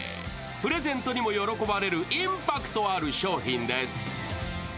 プレゼントにも喜ばれるインパクトある商品です。